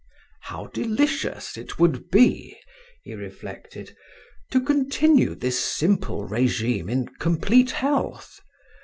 "How delicious it would be" he reflected, "to continue this simple regime in complete health!